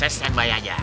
saya standby aja